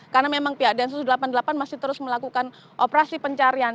karena memang pihak densus delapan puluh delapan masih terus melakukan pencarian